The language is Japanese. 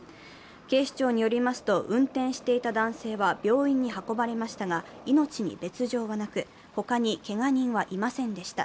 警視庁によりますと、運転していた男性は病院に運ばれましたが命に別状はなく他に、けが人はいませんでした。